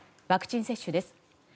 ワクチン接種です。